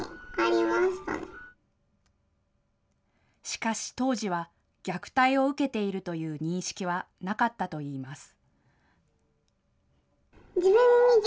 しかし当時は、虐待を受けているという認識はなかったといいます。